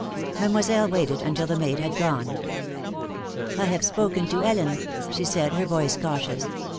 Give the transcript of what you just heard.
Mademoiselle waited until the maid had gone. "I have spoken to Ellen," she said, her voice cautious.